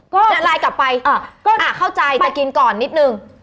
ก็ไลน์กลับไปอ่ะเข้าใจจะกินก่อนนิดนึง